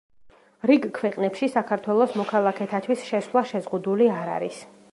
რიგ ქვეყნებში საქართველოს მოქალაქეთათვის შესვლა შეზღუდული არ არის.